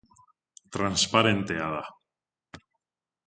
Transparentea da.